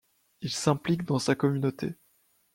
Il s'implique dans sa communauté.